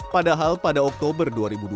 padahal pada oktober dua ribu dua puluh